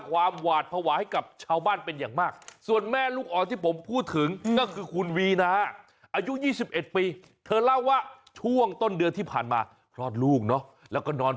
กลับมาที่บ้านเป็นเรื่องเลยครับคุณผู้ชม